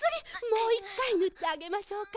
もう１かいぬってあげましょうか？